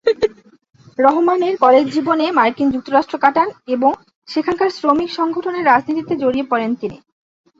রহমানের কলেজ জীবনে মার্কিন যুক্তরাষ্ট্র কাটান এবং সেখানকার শ্রমিক সংগঠনের রাজনীতিতে জড়িয়ে পড়েন তিনি।